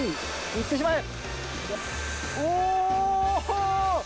いってしまえ。